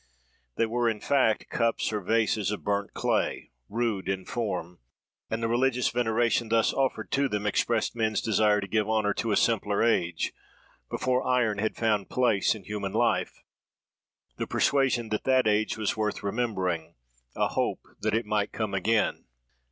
"They were, in fact, cups or vases of burnt clay, rude in form: and the religious veneration thus offered to them expressed men's desire to give honour to a simpler age, before iron had found place in human life: the persuasion that that age was worth remembering: a hope that it might come again.